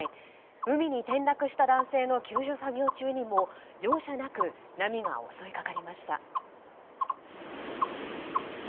海に転落した男性の救助作業中にも容赦なく波が襲いかかりました。